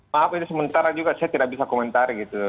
maaf itu sementara juga saya tidak bisa komentar gitu